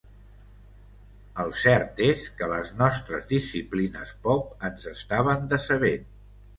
El cert és que les nostres disciplines pop ens estaven decebent.